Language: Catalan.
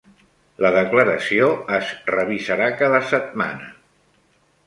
La declaració es revisarà cada setmana